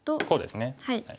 こうですね。